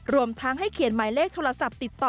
รวมทั้งให้เขียนหมายเลขโทรศัพท์ติดต่อ